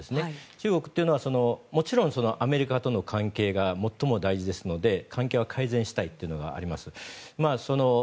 中国というのはもちろんアメリカとの関係が最も大事ですので関係は改善したいというのがあります。